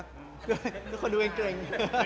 ทุกคนดูเกรง